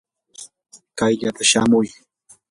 kayllapa shamuy.